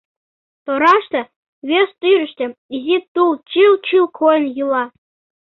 Тораште, вес тӱрыштӧ, изи тул чыл-чыл койын йӱла.